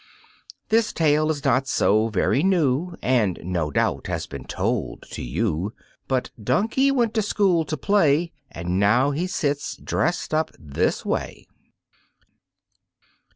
This tale is not so very new, And, no doubt, has been told to you, But Donkey went to school to play, And now he sits dressed up this way.